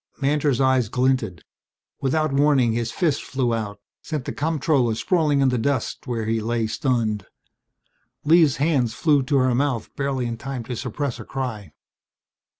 Mantor's eyes glinted. Without warning his fist flew out, sent the comptroller sprawling in the dust where he lay stunned. Lee's hands flew to her mouth barely in time to suppress a cry.